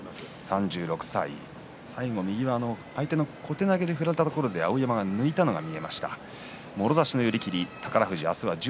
３６歳最後小手投げに振られたところを碧山が抜いたのが見えました。